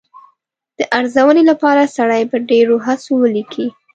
د ارزونې لپاره سړی په ډېرو هڅو ولیکي.